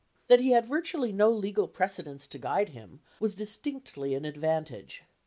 That he had virtually no legal precedents to guide him was distinctly an advantage.